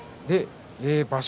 場所